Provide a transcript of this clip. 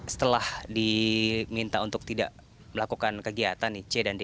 setelah diminta untuk tidak melakukan kegiatan nih c dan d